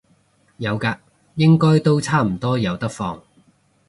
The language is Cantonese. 有嘅，應該都差唔多有得放